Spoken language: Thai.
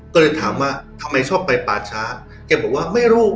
ก็เลยถามว่าทำไมชอบไปป่าช้าแกบอกว่าไม่รู้